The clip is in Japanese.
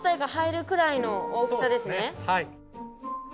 はい。